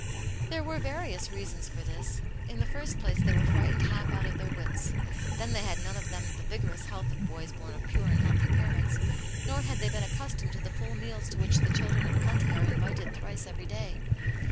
There were various reasons for this. In the first place they were frightened half but of their wits. Then they had none of them th6 vigorous health of boys born of pure and health)^ parents, nor had they been accustomed to the full /neals to which the children of plenty are invited thrice every day.